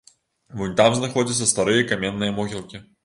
Вунь там знаходзяцца старыя каменныя могілкі.